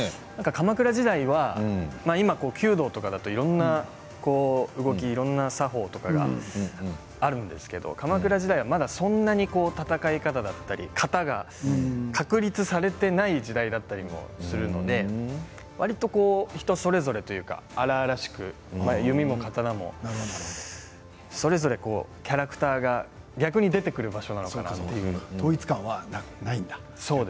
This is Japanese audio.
鎌倉時代は、今弓道とかだといろいろな動き、いろんな作法とかがあるんですけれど鎌倉時代はそんなに戦い方だったり型が確立されていない時代だったりもするのでわりと人それぞれというか荒々しく弓も刀もそれぞれキャラクターが逆に出てくる場所なのかなという。